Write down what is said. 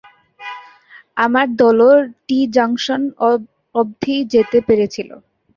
আমার দলও টি-জংশন অব্ধিই যেতে পেরেছিল।